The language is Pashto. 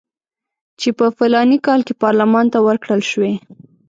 چې په فلاني کال کې پارلمان ته ورکړل شوي.